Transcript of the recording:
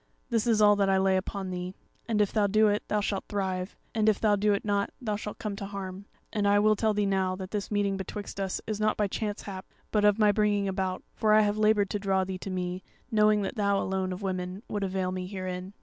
This is all that I lay upon thee; and if thou do it, thou shalt thrive, and if thou do it not, thou shalt come to harm. And I will tell thee now that this meeting betwixt us is not by chance hap, but of my bringing about; for I have laboured to draw thee to me, knowing that thou alone of women would avail me herein.